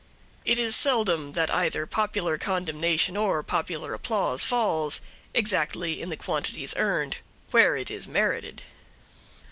It is seldom that either popular condemnation or popular applause falls, exactly in the quantities earned, where it is merited.